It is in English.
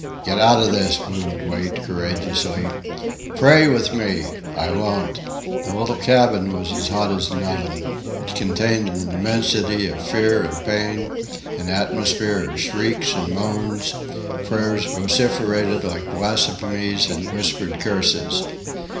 " "Get out of this," boomed Wait, courageously. "Pray with me!... " "I won't!..." The little cabin was as hot as an oven. It contained an immensity of fear and pain; an atmosphere of shrieks and moans; prayers vociferated like blasphemies and whispered curses.